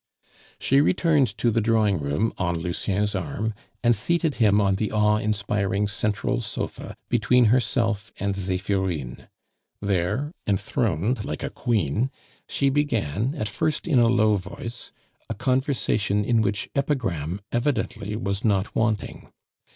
She returned to the drawing room on Lucien's arm, and seated him on the awe inspiring central sofa between herself and Zephirine. There, enthroned like a queen, she began, at first in a low voice, a conversation in which epigram evidently was not wanting.